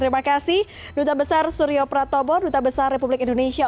terima kasih duta besar suryo pratobo duta besar republik indonesia